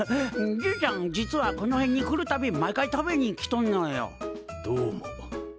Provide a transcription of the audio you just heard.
じいちゃん実はこの辺に来るたび毎回食べに来とんのよ。どうも。